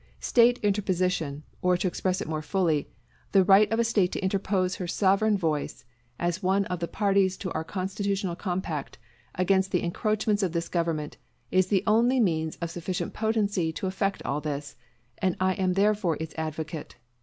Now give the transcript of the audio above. State interposition, or to express it more fully, the right of a State to interpose her sovereign voice, as one of the parties to our constitutional compact, against the encroachments of this government, is the only means of sufficient potency to effect all this; and I am therefore its advocate.